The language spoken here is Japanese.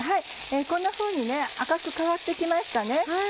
こんなふうに赤く変わって来ましたね。